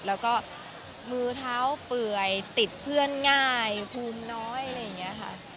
แล้วก็มือเท้าเปื่อยติดเพื่อนง่ายภูมิน้อย